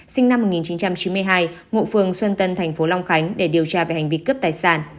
sinh năm một nghìn chín trăm chín mươi hai ngụ phường xuân tân thành phố long khánh để điều tra về hành vi cướp tài sản